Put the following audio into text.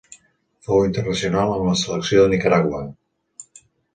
Fou internacional amb la selecció de Nicaragua.